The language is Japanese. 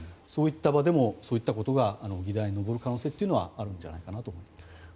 そういった場でもそういったことが議題に上る可能性はあるんじゃないかと思いますね。